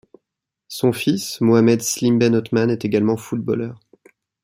Son fils, Mohamed Slim Ben Othman, est également footballeur.